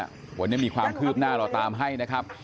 วันนี้มีความคืบหน้าเราตามให้นะครับ